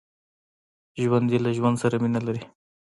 ژوندي له ژوند سره مینه لري